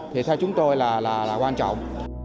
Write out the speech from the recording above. thì theo chúng tôi là quan trọng